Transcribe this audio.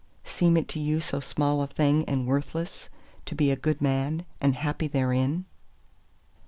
Seems it to you so small a thing and worthless, to be a good man, and happy therein?